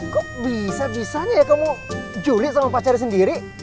kok kok bisa bisanya ya kamu julid sama pacarnya sendiri